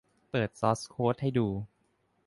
เปิดซอร์สโค้ดให้ดู